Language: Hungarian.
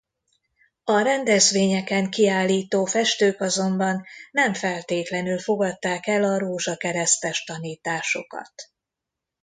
A rendezvényeken kiállító festők azonban nem feltétlenül fogadták el a rózsakeresztes tanításokat.